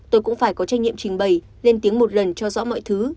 tôi cũng phải có trách nhiệm trình bày lên tiếng một lần cho rõ mọi thứ